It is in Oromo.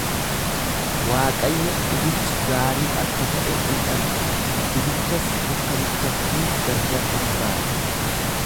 Waaqayyo ifichi gaarii akka ta'e in arge; ifichas dukkanichattii gargar in baase.